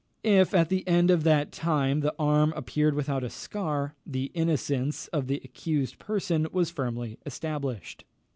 If, at the end of that time, the arm appeared without a scar, the innocence of the accused person was firmly established.